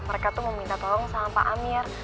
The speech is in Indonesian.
mereka tuh mau minta tolong sama pak amir